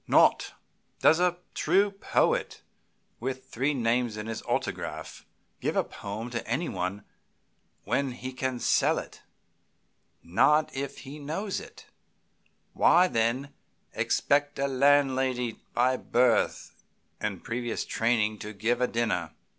Not. Does a true poet, with three names on his autograph, give a poem to anybody when he can sell it? Not if he knows it. Why, then, expect a landlady, by birth and previous training, to give a dinner?"